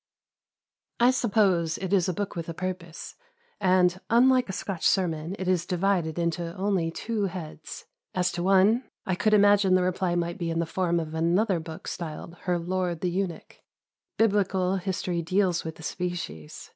I suppose it is a book with a purpose, and, unlike a Scotch sermon, it is divided into only two heads. As to one, I could imagine the reply might be in the form of another book styled "Her Lord the Eunuch." Biblical history deals with the species.